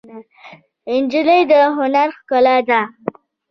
نجلۍ د هنر ښکلا ده.